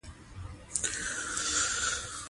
افغانستان د واوره د پلوه ځانته ځانګړتیا لري.